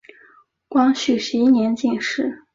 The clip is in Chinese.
光绪十一年进士。